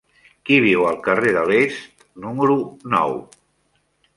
Qui viu al carrer de l'Est número nou?